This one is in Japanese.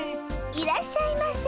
いらっしゃいませ。